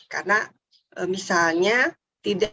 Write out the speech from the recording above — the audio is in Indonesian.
karena misalnya tidak